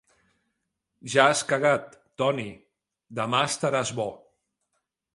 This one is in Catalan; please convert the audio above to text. Ja has cagat, Toni; demà estaràs bo.